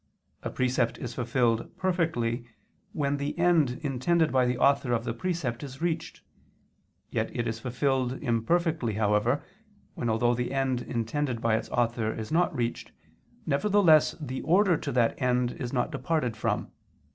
A precept is fulfilled perfectly, when the end intended by the author of the precept is reached; yet it is fulfilled, imperfectly however, when although the end intended by its author is not reached, nevertheless the order to that end is not departed from.